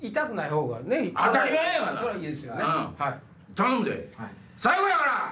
頼むで最後やから！